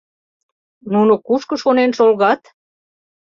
Нуно кушко шонен шолгат?